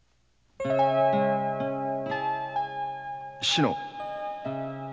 志乃！